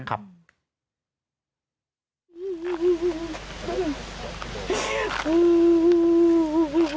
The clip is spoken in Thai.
น่ารัก